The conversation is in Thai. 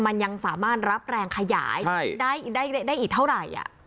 มันยังสามารถรับแรงขยายใช่ได้ได้ได้อีกเท่าไรอ่ะ